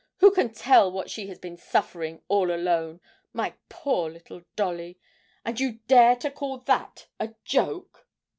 Who can tell what she has been suffering, all alone, my poor little Dolly! And you dare to call that a joke!'